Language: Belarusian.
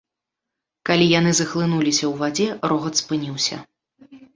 Калі яны захлынуліся ў вадзе, рогат спыніўся.